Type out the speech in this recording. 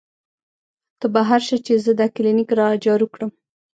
تۀ بهر شه چې زۀ دا کلینک را جارو کړم " ـ